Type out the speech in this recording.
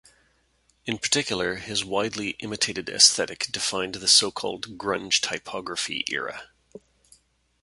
In particular, his widely imitated aesthetic defined the so-called "grunge typography" era.